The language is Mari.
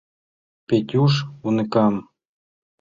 Петюш уныкам...